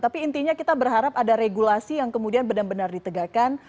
tapi intinya kita berharap ada regulasi yang kemudian benar benar ditegakkan